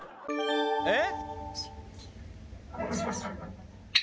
えっ？